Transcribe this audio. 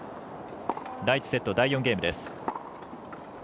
第１セット、第４ゲームです。